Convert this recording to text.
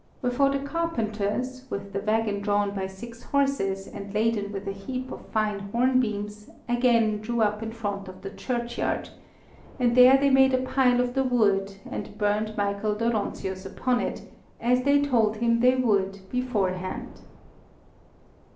Wherefore the carpenters, with the waggon drawn by six horses and laden with a heap of fine hornbeams, again drew up in front of the churchyard, and there they made a pile of the wood and burnt Michael Dóronczius upon it, as they told him they would beforehand.